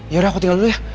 ya udah aku tinggal dulu ya